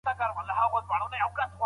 زه د مڼې د اوبو په څښلو بوخت یم.